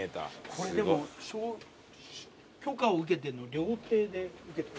これでも許可を受けてんの料亭で受けてる。